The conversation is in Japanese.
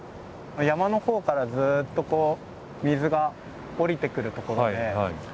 山のほうからずっとこう水が下りてくる所で。